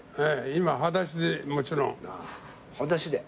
今はだしでもちろん。はだしで？